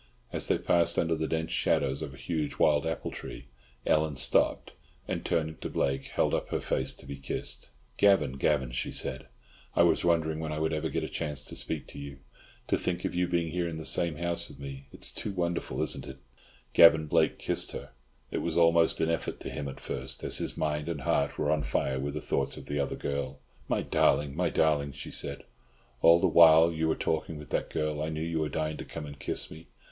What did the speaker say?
As they passed under the dense shadows of a huge wild apple tree, Ellen stopped and, turning to Blake, held up her face to be kissed. "Gavan, Gavan!" she said. "I was wondering when I would ever get a chance to speak to you. To think of you being here in the same house with me! It's too wonderful, isn't it?" Gavan Blake kissed her. It was almost an effort to him at first, as his mind and heart were on fire with the thoughts of the other girl. "My darling, my darling!" she said. "All the while you were walking with that girl, I knew you were dying to come and kiss me!"